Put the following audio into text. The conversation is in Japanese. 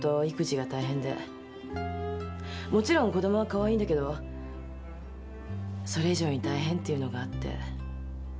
もちろん子供はかわいいんだけどそれ以上に大変っていうのがあって。